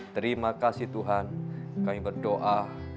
terima kasih tuhan kami berdoa